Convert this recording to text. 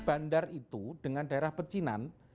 bandar itu dengan daerah pecinan